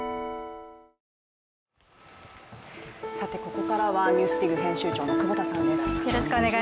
ここからは「ＮＥＷＳＤＩＧ」編集長の久保田さんです。